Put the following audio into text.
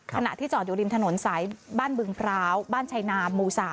ขณะที่จอดอยู่ริมถนนสายบ้านบึงพร้าวบ้านชัยนามหมู่๓